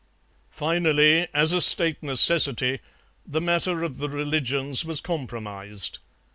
"Finally, as a State necessity, the matter of the religions was compromised.